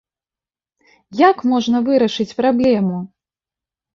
Як можна вырашыць праблему?